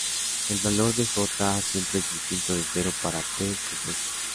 El valor de j siempre es distinto de cero para p compuesto.